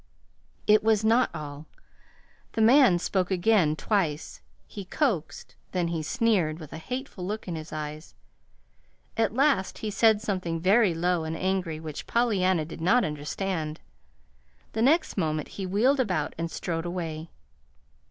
It was not all. The man spoke again, twice. He coaxed, then he sneered with a hateful look in his eyes. At last he said something very low and angry, which Pollyanna did not understand. The next moment he wheeled about and strode away.